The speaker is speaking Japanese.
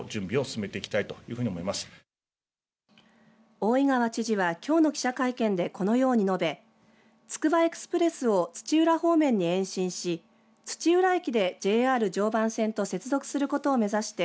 大井川知事はきょうの記者会見でこのように述べつくばエクスプレスを土浦方面に延伸し土浦駅でＪＲ常磐線と接続することを目指して